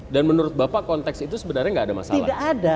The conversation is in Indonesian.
dan menurut bapak konteks itu sebenarnya gak ada masalah